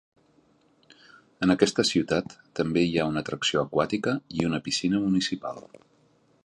En aquesta ciutat també hi ha una atracció aquàtica i una piscina municipal.